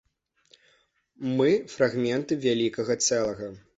Мы фрагменты вялікага цэлага.